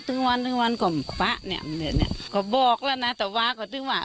ถึงวันถึงวันก่อนป๊าเนี่ยก็บอกแล้วนะแต่ว่าก็ถึงว่า